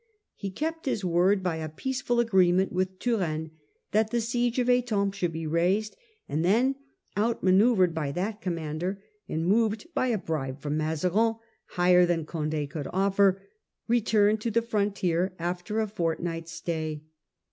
He kept his word by a peaceful agreement with Turenne that the siege of Etampes should be raised, and then, outmanoeuvred by that commander, and moved by a bribe from Mazarin higher than Conde could offer, returned to the frontier after a fortnight's stay.